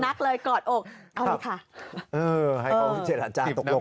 ให้เขาเจดหันจากตกลง